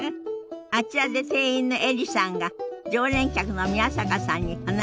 あちらで店員のエリさんが常連客の宮坂さんに話しかけてるわね。